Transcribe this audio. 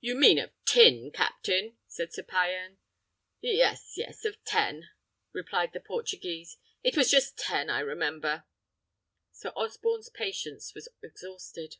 "You mean of tin, captain," said Sir Payan. "Yes, yes, of ten," replied the Portuguese. "It was just ten, I remember." Sir Osborne's patience was exhausted.